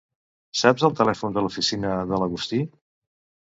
Saps el telèfon de l'oficina de l'Agustí?